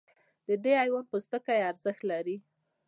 د دې حیوان پوستکی ارزښت لري.